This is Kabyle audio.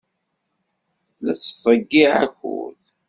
La tettḍeyyiɛeḍ akud.